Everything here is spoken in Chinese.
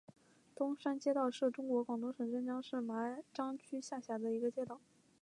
东山街道是中国广东省湛江市麻章区下辖的一个街道。